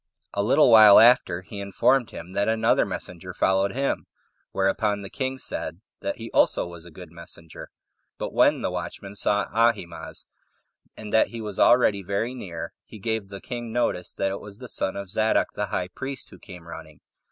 A little while after, he informed him that another messenger followed him; whereupon the king said that he also was a good messenger: but when the watchman saw Ahimaaz, and that he was already very near, he gave the king notice that it was the son of Zadok the high priest who came running.